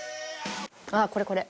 あっこれこれ。